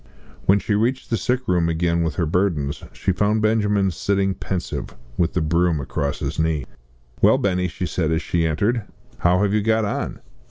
When she reached the sick room again with her burdens, she found Benjamin sitting pensive, with the broom across his knees. "Well, Benny!" she said as she entered, "how have you got on?"